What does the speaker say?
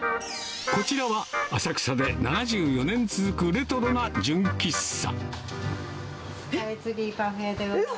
こちらは、浅草で７４年続くレトロな純喫茶。